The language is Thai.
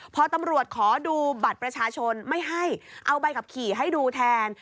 พอตำรวจขอดูบัตรประชาชนไม่ให้เอาใบขับขี่ให้ดูแทน